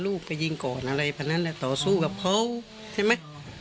ลูกก็ไปยิงก่อนเดี๋ยวเราต่อสู้กับเขา